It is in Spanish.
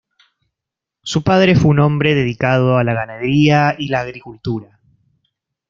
Su padre fue un hombre dedicado a la ganadería y la agricultura.